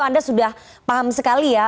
anda sudah paham sekali ya